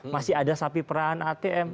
masih ada sapi perahan atm